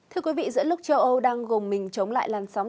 thưa quý vị giữa lúc châu âu đang gồng mình chống lại làn sóng